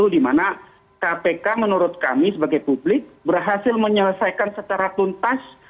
di mana kpk menurut kami sebagai publik berhasil menyelesaikan secara tuntas